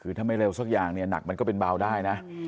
คือถ้าไม่เร็วสักอย่างเนี่ยหนักมันก็เป็นเบาได้นะ